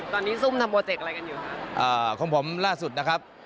ตอนนี้ซุ้มนัมวอเตะอะไรกันอยู่ครับของผมล่าสุดนะครับ